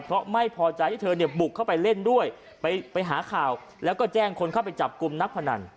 เพราะไม่พอใจที่เธอเนี่ยบุกเข้าไปเล่นด้วยไปหาข่าวแล้วก็แจ้งคนเข้าไปจับกลุ่มนักพนัน